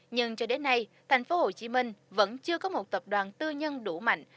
nhưng cho đến nay thành phố hồ chí minh vẫn chưa có một tập đoàn tư nhân đủ mạnh